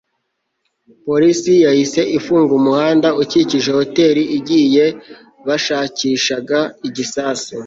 Polisi yahise ifunga umuhanda ukikije hoteri igihe bashakishaga igisasu